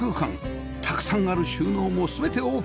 たくさんある収納も全てオープン